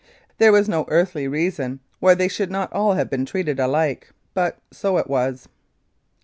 There was no earthly reason why they should not all have been treated alike, but so it was.